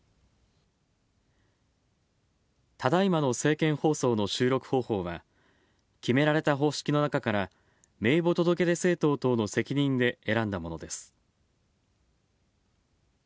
ただいまの政見放送の収録方法は、決められた方式の中から名簿届出政党等の責任で選んだものです。